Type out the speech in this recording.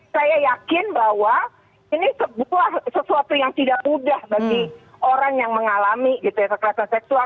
saya yakin bahwa ini sesuatu yang tidak mudah bagi orang yang mengalami kekerasan seksual